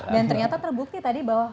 dan ternyata terbukti tadi bahwa